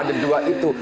ada dua itu